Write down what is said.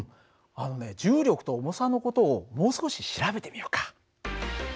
あのね重力と重さの事をもう少し調べてみようか。